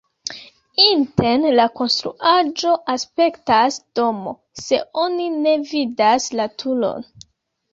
Interne la konstruaĵo aspektas domo, se oni ne vidas la turon.